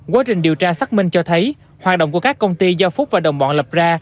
quá trình điều tra xác minh cho thấy hoạt động của các công ty do phúc và đồng bọn lập ra